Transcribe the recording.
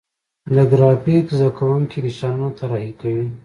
د ګرافیک زده کوونکي نشانونه طراحي کوي.